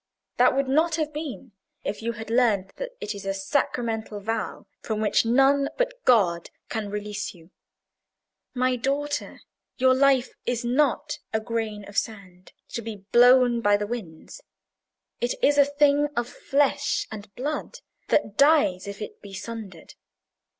That would not have been, if you had learned that it is a sacramental vow, from which none but God can release you. My daughter, your life is not as a grain of sand, to be blown by the winds; it is a thing of flesh and blood, that dies if it be sundered.